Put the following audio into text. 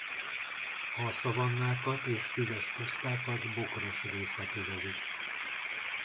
A szavannákat és füves pusztákat bokros részek övezik.